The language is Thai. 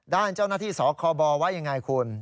ด้านเจ้าหน้าที่สคบว่ายังไงคุณ